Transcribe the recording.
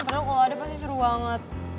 karena kalau ada pasti seru banget